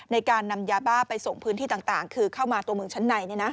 ในการนำยาบ้าไปส่งพื้นที่ต่างคือเข้ามาตัวเมืองชั้นใน